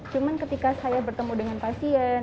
cuma ketika saya bertemu dengan pasien